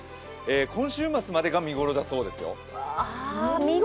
今週末までが見頃だそうですよ。